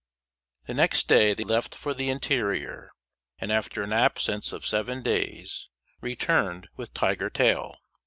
The next day they left for the interior, and after an absence of seven days returned with Tiger tail.